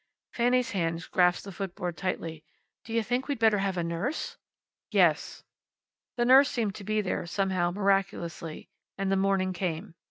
Fanny's hands grasped the footboard tightly. "Do you think we'd better have a nurse?" "Yes." The nurse seemed to be there, somehow, miraculously. And the morning came.